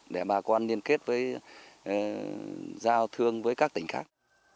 để bà con liên kết với giao thương với các tỉnh khác